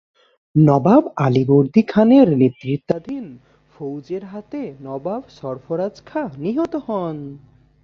নবাব আলীবর্দী খানের নেতৃত্বাধীন ফৌজের হাতে নবাব সরফরাজ খাঁ নিহত হন।